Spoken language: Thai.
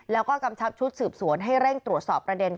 แล้วก็กำชับชุดสืบสวนให้เร่งตรวจสอบประเด็น